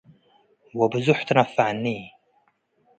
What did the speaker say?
ወብዞሕ ትነፍዐኒ።